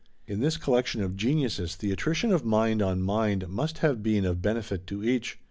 In this collection of geniuses the attrition of mind on mind must have been of benefit to each.